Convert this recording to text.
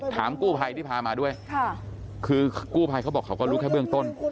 กู้ภัยที่พามาด้วยค่ะคือกู้ภัยเขาบอกเขาก็รู้แค่เบื้องต้น